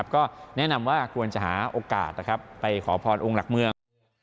ก็แนะนำว่าควรจะหาโอกาสไปขอพรองค์หลักเมือง